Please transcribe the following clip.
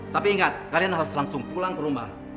tapi ingat kalian harus langsung pulang ke rumah